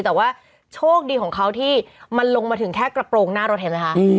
แต่ว่าโชคดีของเขาที่มันลงมาถึงแค่กระโปรงหน้ารถเห็นไหมคะ